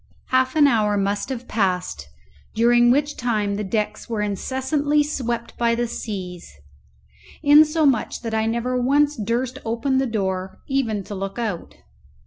Half an hour must have passed, during which time the decks were incessantly swept by the seas, insomuch that I never once durst open the door even to look out.